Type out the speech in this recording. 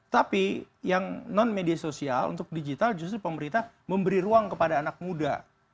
tapi yang non media sosial untuk digital justru pemerintah memberi ruang kepada anak muda